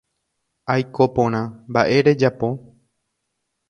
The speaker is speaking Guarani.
Aiko porã. Mba’e rejapo.